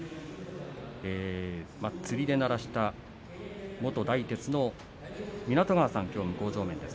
つりで鳴らした元大徹の湊川さん、向正面です。